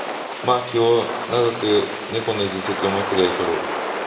まあ気を永く猫の時節を待つがよかろう